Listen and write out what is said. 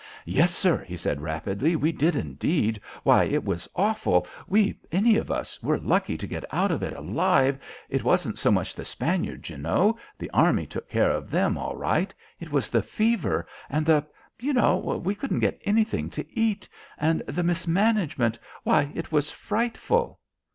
"Yes, sir," he said rapidly. "We did, indeed. Why, it was awful. We any of us were lucky to get out of it alive. It wasn't so much the Spaniards, you know. The Army took care of them all right. It was the fever and the you know, we couldn't get anything to eat. And the mismanagement. Why, it was frightful."